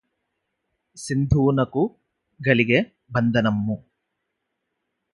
సింధువునకు గలిగె బంధనమ్ము